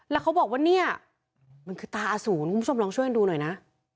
แล้วเขาบอกว่าเนี่ยมันคือตาอสูรคุณผู้ชมลองช่วยกันดูหน่อยนะ